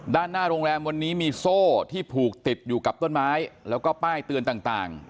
ด้านหน้าโรงแรมวันนี้มีโซ่ที่ผูกติดอยู่กับต้นไม้แล้วก็ป้ายเตือนต่าง